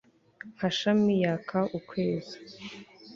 Nka shami yaka ukwezi